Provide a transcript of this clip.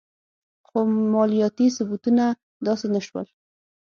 خو مالیاتي ثبتونه داسې نه شول.